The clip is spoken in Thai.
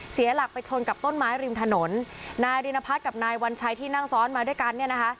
เสียหลักไปชนกับต้นไม้ริมถนนนายรินพัฒน์กับนายวัญชัยที่นั่งซ้อนมาด้วยกันเนี่ยนะคะ